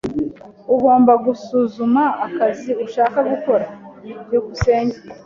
Ugomba gusuzuma akazi ushaka gukora. byukusenge